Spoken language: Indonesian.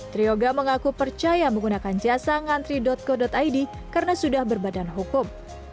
trioga mengaku percaya menggunakan jasa ngantri co id karena sudah berbadan hukum